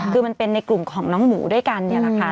คือมันเป็นในกลุ่มของน้องหมูด้วยกันเนี่ยแหละค่ะ